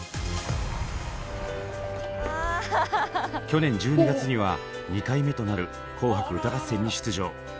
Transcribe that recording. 去年１２月には２回目となる「紅白歌合戦」に出場。